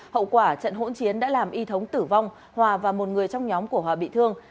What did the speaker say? hậu quả trận hỗn chiến đã làm y thống tử vong hòa và một người trong nhóm của hòa bị thương